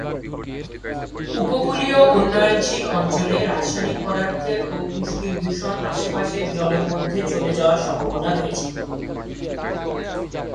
উপকূলীয় উন্নয়নশীল অঞ্চলে, রাসায়নিক পদার্থের ও পুষ্টির দূষণ আশেপাশের জলের মধ্যে চলে যাওয়ার সম্ভাবনা রয়েছে।